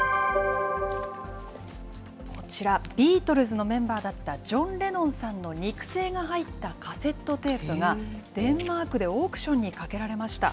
こちら、ビートルズのメンバーだったジョン・レノンさんの肉声が入ったカセットテープが、デンマークでオークションにかけられました。